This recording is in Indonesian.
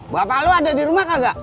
bapak lo ada di rumah kagak